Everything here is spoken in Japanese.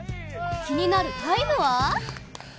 気になるタイムは？